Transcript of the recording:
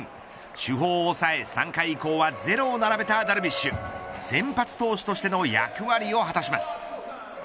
主砲を抑え３回以降はゼロを並べたダルビッシュ先発投手としての役割を果たします。